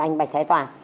anh bạch thái toàn